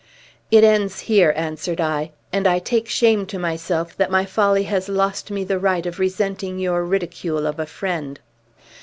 "It ends here," answered I. "And I take shame to myself that my folly has lost me the right of resenting your ridicule of a friend."